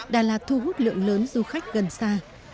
đà lạt thu hút lượng lớn du khách gần xa